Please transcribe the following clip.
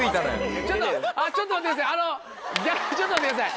ちょっとちょっと待ってください